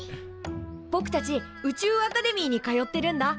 ぼくたち宇宙アカデミーに通ってるんだ。